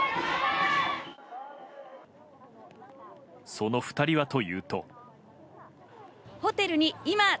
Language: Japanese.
その２人はというと。